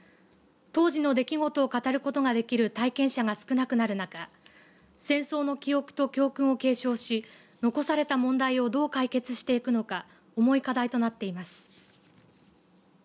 当時の出来事を語ることができる体験者が少なくなる中戦争の記憶と教訓を継承し残された問題をどう解決していくのか重い課題となっています。